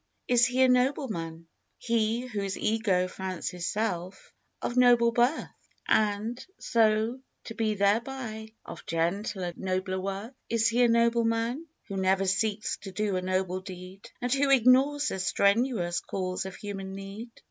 Is he a nobleman He whose ego fancies self, Of noble birth And ,so to be thereby Of gentler, nobler worth? Is he a nobleman Who never seeks to do a noble deed, And who ignores the strenuous Calls of human need?